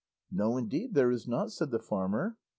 "No, indeed there is not," said the farmer.